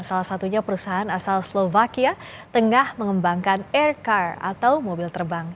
salah satunya perusahaan asal slovakia tengah mengembangkan aircar atau mobil terbang